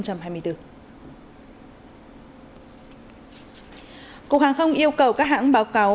cục hàng không yêu cầu các hãng báo cáo